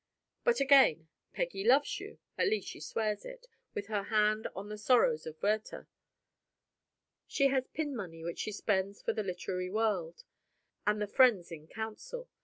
But, again, Peggy loves you at least she swears it, with her hand on "The Sorrows of Werter." She has pin money which she spends for the "Literary World" and the "Friends in Council."